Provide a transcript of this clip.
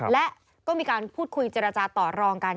และก็มีการพูดคุยเจรจาต่อรองกัน